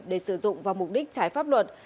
để sử dụng vào mục đích trái pháp luật